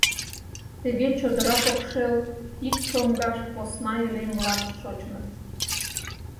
Тыге чодыра покшел ик чоҥгаш посна илем-влак шочыныт.